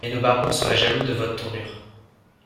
Mais nos barbons seraient jaloux de votre tournure.